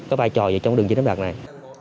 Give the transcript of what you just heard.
có vai trò trong đường chiếm đánh bạc này